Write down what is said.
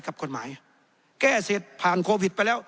กับกฎหมายแก้เสร็จผ่านโควิดไปแล้ว